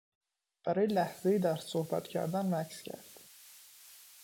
برای لحظهای در صحبت کردن مکث کرد.